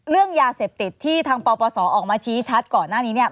เรื่องยาเสพติดที่ทางปปศออกมาชี้ชัดก่อนหน้านี้เนี่ย